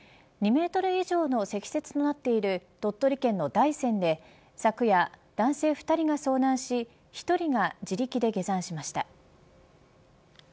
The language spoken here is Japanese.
２メートル以上の積雪となっている鳥取県の大山で昨夜男性２人が遭難し１人が自力で下山しました。